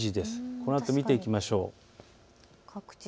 このあと見ていきましょう。